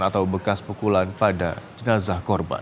atau bekas pukulan pada jenazah korban